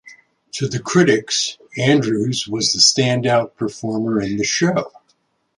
To the critics, Andrews was the stand-out performer in the show.